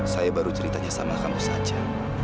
saya baru ceritanya sama kamu saja